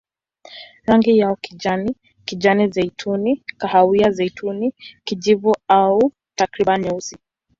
Rangi yao kijani, kijani-zeituni, kahawia-zeituni, kijivu au takriban nyeusi.